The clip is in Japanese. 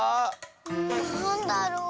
んなんだろう。